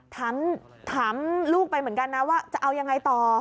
ถามลูกไปเหมือนกันนะว่าจะเอายังไงต่อ